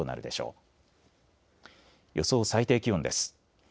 予想最低気温です。